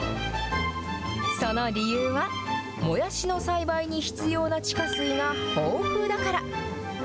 その理由は、もやしの栽培に必要な地下水が豊富だから。